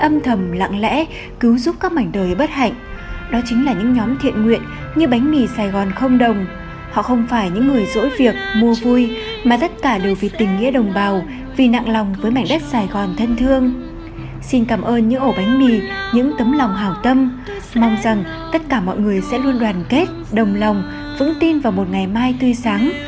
mong rằng tất cả mọi người sẽ luôn đoàn kết đồng lòng vững tin vào một ngày mai tươi sáng